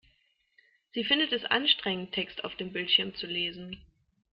Sie findet es anstrengend, Text auf dem Bildschirm zu lesen.